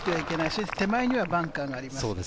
そして手前にはバンカーがあります。